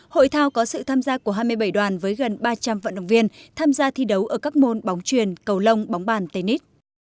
hội thao có sự tham gia của hai mươi bảy đoàn với gần ba trăm linh vận động viên tham gia thi đấu ở các môn bóng truyền cầu lông bóng bàn tây ninh